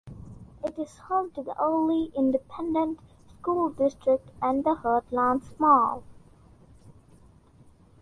It is home to the Early Independent School District and the Heartland Mall.